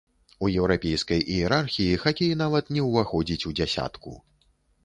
У еўрапейскай іерархіі хакей нават не ўваходзіць у дзясятку.